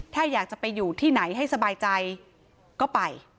ถ้าอยากจะไปอยู่ที่ไหนให้สบายใจก็ไป